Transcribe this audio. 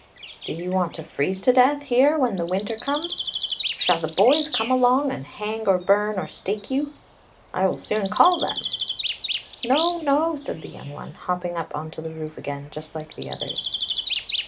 " Do you want to freeze to death here when the winter comes? Shall the boys come and hang or burn or stake you? I will soon call them! "" No, no," said the young one, hopping up on to the roof again, just like the others.